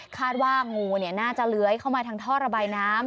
งูน่าจะเลื้อยเข้ามาทางท่อระบายน้ำ